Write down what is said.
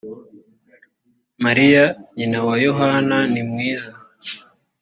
mariya nyina wa yohana nimwiza